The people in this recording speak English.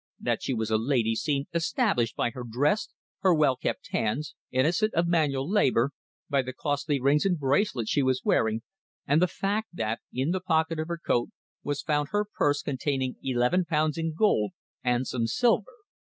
That she was a lady seemed established by her dress, her well kept hands, innocent of manual labour, by the costly rings and bracelet she was wearing, and the fact that, in the pocket of her coat was found her purse containing eleven pounds in gold and some silver.